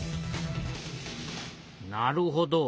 なるほど。